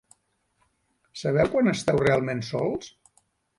Sabeu quan esteu realment sols?